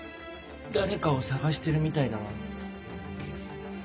誰かを捜してるみたいだな。